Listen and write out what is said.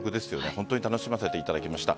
本当に楽しませていただきました。